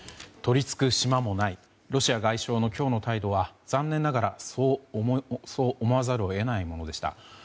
取り付く島もないロシア外相の今日の態度は残念ながらそう思わざるを得ないものでした。